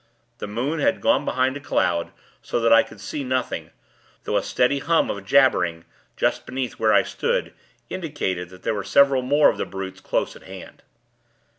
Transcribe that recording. The moon had gone behind a cloud, so that I could see nothing; though a steady hum of jabbering, just beneath where I stood, indicated that there were several more of the brutes close at hand.